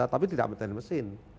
tapi tidak mekanik mesin